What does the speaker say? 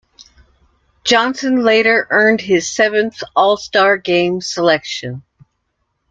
Johnson later earned his seventh All-Star game selection.